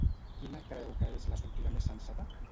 Quina creu que és la sortida més sensata?